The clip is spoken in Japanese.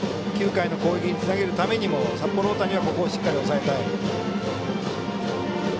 ９回の攻撃につなげるためにも札幌大谷はここ、しっかり抑えたい。